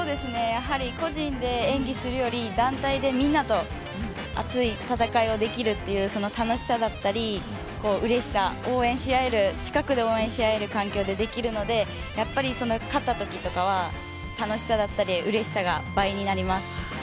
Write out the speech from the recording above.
個人で演技するより団体でみんなと熱い戦いをできるというその楽しさだったり、うれしさ、近くで応援しあえる環境でできるのでやっぱり勝ったときは楽しさだったりうれしさが倍になります。